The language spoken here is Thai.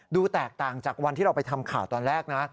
แตกต่างจากวันที่เราไปทำข่าวตอนแรกนะ